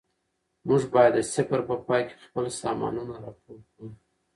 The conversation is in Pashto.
موږ باید د سفر په پای کې خپل سامانونه راټول کړو.